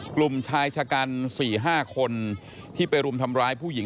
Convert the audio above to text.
กลุ่มชายชะกัน๔๕คนที่ไปรุมทำร้ายผู้หญิง